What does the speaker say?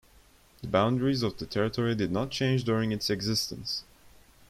The boundaries of the territory did not change during its existence.